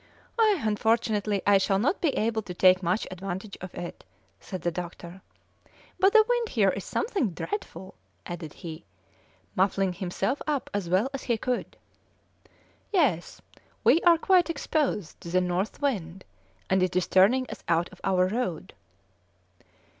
"Unfortunately, I shall not be able to take much advantage of it," said the doctor, "but the wind here is something dreadful," added he, muffling himself up as well as he could. "Yes, we are quite exposed to the north wind, and it is turning us out of our road."